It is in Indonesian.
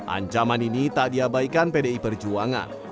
ancaman ini tak diabaikan pdi perjuangan